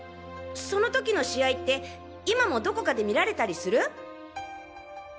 そのときの試合って今もどこかで見られたりする？